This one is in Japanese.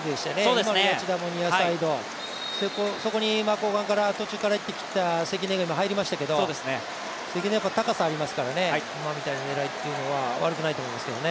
今の谷内田もニアサイドそこに後半途中から入ってきた関根が入りましたけど関根は高さがありますから、今みたいな狙いは悪くないと思いますけどね。